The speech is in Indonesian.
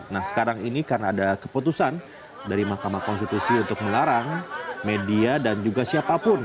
nah sekarang ini karena ada keputusan dari mahkamah konstitusi untuk melarang media dan juga siapapun